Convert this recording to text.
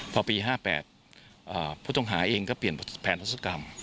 พอปี๕๘ผู้ต้องหาเองก็เปลี่ยนแผนทศกรรม